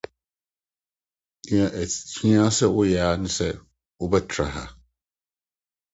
Nea ehia sɛ woyɛ ara ne sɛ wobɛtra ha.